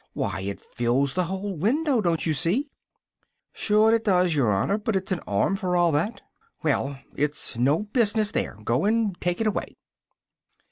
Why, it fills the whole window, don't you see?" "Shure, it does, yer honour, but it's an arm for all that." "Well, it's no business there: go and take it away!"